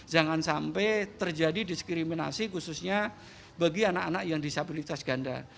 jangan sampai terjadi diskriminasi khususnya bagi anak anak yang disabilitas ganda